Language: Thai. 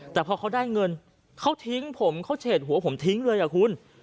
แต่พอเขาได้เงินเขาทิ้งผมเขาเฉดหัวผมทิ้งเลยอ่ะคุณ